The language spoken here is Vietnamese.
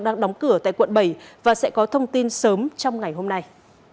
đang đóng cửa tại quận bảy và sẽ có thông tin sớm trong ngày hôm nay